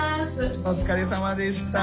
お疲れさまでした。